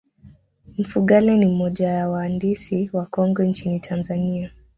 mfugale ni moja ya waandisi wakongwe nchini tanzania